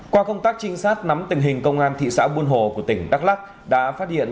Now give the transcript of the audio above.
qua công tác trinh sát nắm tình hình công an thị xã buôn hồ của tỉnh đắk lắc đã phát hiện